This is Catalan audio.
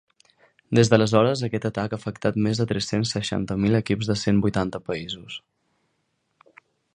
Des d’aleshores, aquest atac ha afectat més de tres-cents seixanta mil equips de cent vuitanta països.